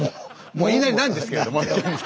もう言いなりなんですけれども現在。